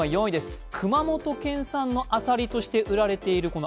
４位、熊本県産のあさりとして売られている